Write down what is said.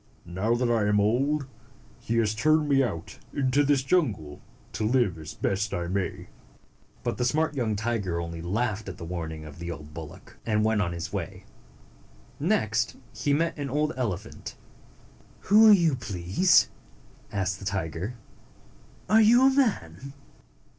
Now that I am old, he has turned me out into this wild jungle to live as best I may." But the smart young tiger only laughed at the warning of the old bullock, and went on his way. Next he met an old elephant. "Who are you, please?" asked the tiger. "Are you a man?"